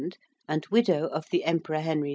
and widow of the Emperor Henry V.